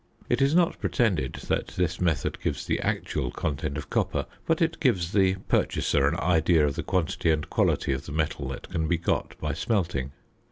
It is not pretended that this method gives the actual content of copper, but it gives the purchaser an idea of the quantity and quality of the metal that can be got by smelting.